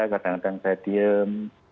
kadang kadang saya diem